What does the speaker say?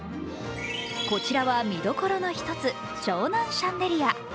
こちらは見どころの一つ、湘南シャンデリア。